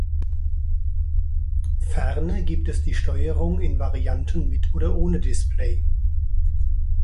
Ferner gibt es die Steuerung in Varianten mit oder ohne Display.